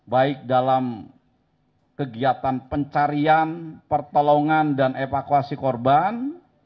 baik dalam kegiatan pencarian pertolongan dan evakuasi korban